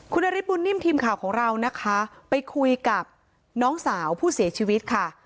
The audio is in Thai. คุณนฤทธบุญนิ่มทีมข่าวของเรานะคะไปคุยกับน้องสาวผู้เสียชีวิตค่ะ